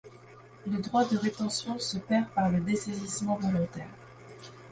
Le droit de rétention se perd par le dessaisissement volontaire.